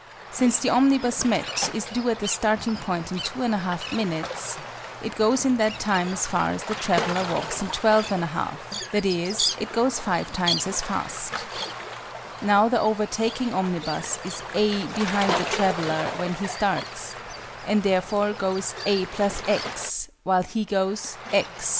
Since the omnibus met is due at the starting point in 2 1/2 minutes, it goes in that time as far as the traveller walks in 12 1/2; i.e. it goes 5 times as fast. Now the overtaking omnibus is "a" behind the traveller when he starts, and therefore goes "a + x" while he goes "x."